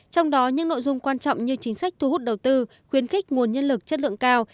trong đó những nội dung quan trọng như chính sách thu hút đầu tư khuyến khích nguồn nhân lực chất lượng cao